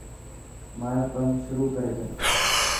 مايو ڪم شروح ڪري ڇڏ.